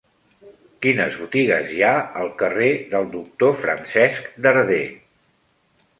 Quines botigues hi ha al carrer del Doctor Francesc Darder?